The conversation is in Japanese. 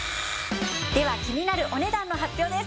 では気になるお値段の発表です。